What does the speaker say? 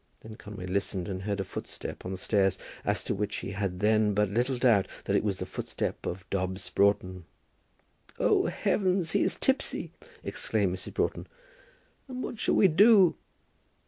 Then Conway listened, and heard a footstep on the stairs, as to which he had then but little doubt that it was the footstep of Dobbs Broughton. "O heavens! he is tipsy!" exclaimed Mrs. Broughton; "and what shall we do?"